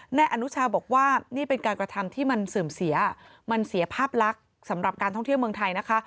นายอนุชาบอกว่านี่เป็นการกระทำที่มันเสื่อมเสียมันเสียภาพลักษณ์สำหรับการท่องเที่ยวเมืองไทยนะคะ